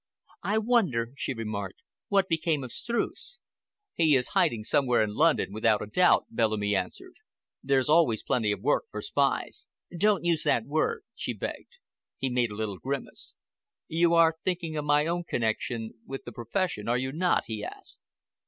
"I wonder," she remarked, "what became of Streuss." "He is hiding somewhere in London, without a doubt," Bellamy answered. "There's always plenty of work for spies." "Don't use that word," she begged. He made a little grimace. "You are thinking of my own connection with the profession, are you not?" he asked.